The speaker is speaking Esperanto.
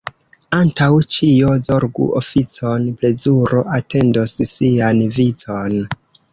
Antaŭ ĉio zorgu oficon — plezuro atendos sian vicon.